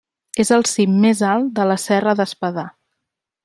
És el cim més alt de la Serra d'Espadà.